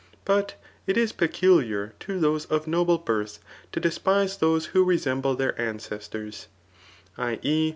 But k is peculiar to those of noble birth to despise those who resemble their ancestors, [i« e.